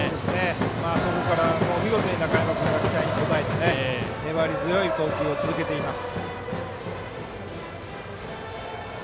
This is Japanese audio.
あそこから、見事に中山君が期待に応えて粘り強い投球を続けています。